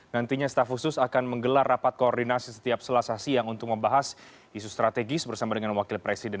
nantinya staf khusus akan menggelar rapat koordinasi setiap selasa siang untuk membahas isu strategis bersama dengan wakil presiden